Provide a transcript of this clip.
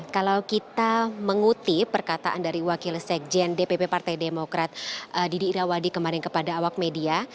kalau kita mengutip perkataan dari wakil sekjen dpp partai demokrat didi irawadi kemarin kepada awak media